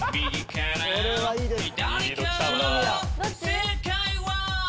「正解は」